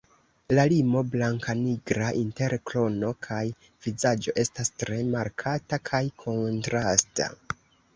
La limo blankanigra inter krono kaj vizaĝo estas tre markata kaj kontrasta.